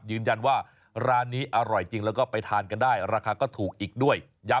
ยืนยันว่าร้านนี้อร่อยจริงแล้วก็ไปทานกันได้ราคาก็ถูกอีกด้วย